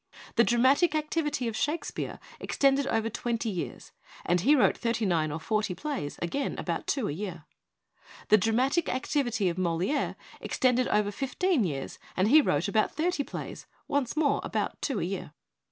The dramatic activity of Shakspere extended over twenty years; and he wrote thirty nine or forty plays again about two a year. The dramatic activity of Moliere extended over fifteen years, and he wrote about thirty plays once more about two a year.